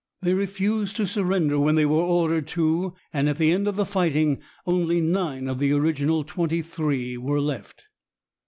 They refused to surrender when they were ordered to, and at the end of the fighting only nine of the original twenty three were left.